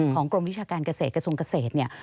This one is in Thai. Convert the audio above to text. กรมวิชาการเกษตรกระทรวงเกษตรเนี่ย